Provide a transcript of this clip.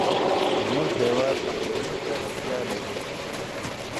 زموږ هېواد پانګونې ته اړتیا لري.